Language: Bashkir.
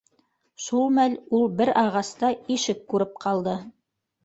Шул мәл ул бер ағаста ишек күреп ҡалды.